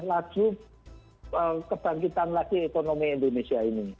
laju kebangkitan lagi ekonomi indonesia ini